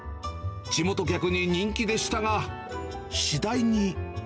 地元客に人気でしたが、次第に。